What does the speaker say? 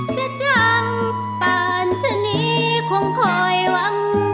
ซะจังปานชะนีคงคอยหวัง